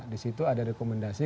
di situ ada rekomendasi